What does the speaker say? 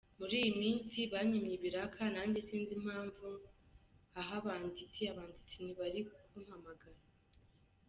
Muri iyi minsi banyimye ibiraka nanjye sinzi impamvu hahah abanditsi, abanditsi ntibari kumpamagaraaa.